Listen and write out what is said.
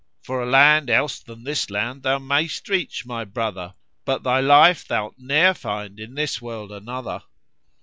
For a land else than this land thou may'st reach, my brother, But thy life tho'lt ne'er find in this world another.'"